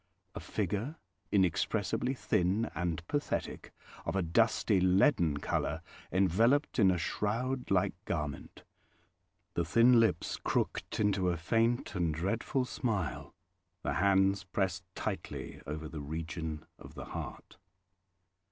A figure inexpressibly thin and pathetic, of a dusty leaden colour, enveloped in a shroud like garment, the thin lips crooked into a faint and dreadful smile, the hands pressed tightly over the region of the heart.